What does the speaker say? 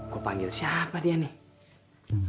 kau panggil siapa dia nih